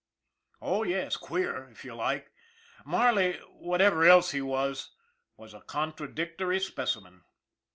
Oh, yes, queer, if you like. Marley, whatever else he was, was a contradictory specimen.